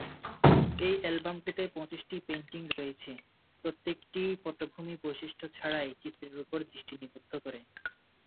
এই অ্যালবামটিতে পঁচিশটি পেইন্টিং রয়েছে, প্রত্যেকটি পটভূমি বৈশিষ্ট্য ছাড়াই চিত্রের উপর দৃষ্টি নিবদ্ধ করে।